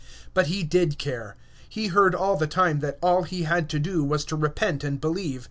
But he did care. He heard all the time that all he had to do was to repent and believe.